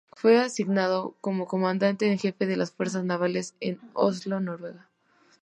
Fue asignado como comandante en jefe de las fuerzas navales en Oslo, Noruega.